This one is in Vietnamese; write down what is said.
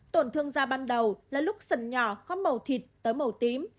tổn thương da ban đầu là lúc sần nhỏ có màu thịt tới màu tím